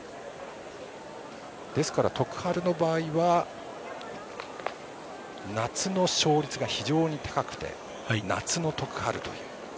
徳栄の場合は夏の勝率が非常に高くて夏の徳栄という。